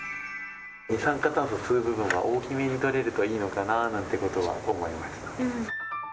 二酸化炭素を吸う部分は、大きめに取れるといいのかななんてことは思いました。